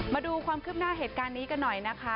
มาดูความคืบหน้าเหตุการณ์นี้กันหน่อยนะคะ